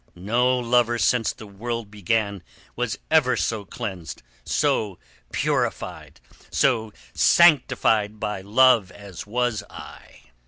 No lover since the world began was ever so cleansed, so purified, so sanctified by love as was I."